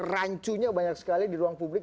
rancunya banyak sekali di ruang publik